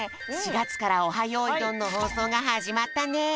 ４がつから「オハ！よいどん」のほうそうがはじまったね！